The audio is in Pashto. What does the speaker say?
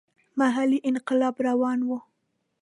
محلي انقلاب روان وو.